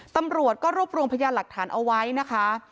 ตำรวจก็รวบรวมพยานหลักฐานเอาไว้นะคะ